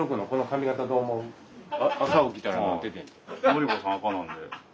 乃理子さん赤なんで。